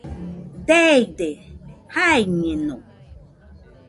Deide, jaiñeno.